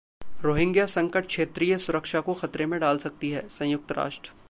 Rohingya संकट क्षेत्रीय सुरक्षा को खतरे में डाल सकती है: संयुक्त राष्ट्र